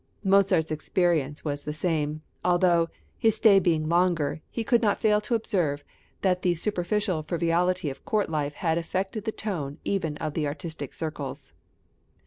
Mozart's experience was the same; although, his stay being longer, he could not fail to observe that the superficial frivolity of court life had affected the tone even of the artistic circles.